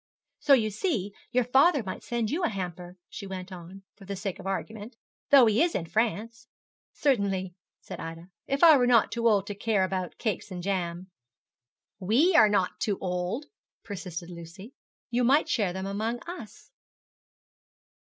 So you see your father might send you a hamper,' she went on, for the sake of argument, 'though he is in France.' 'Certainly,' said Ida, 'if I were not too old to care about cakes and jam.' 'We are not too old,' persisted Lucy; 'you might share them among us.'